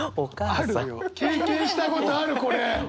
あるよ経験したことあるこれ。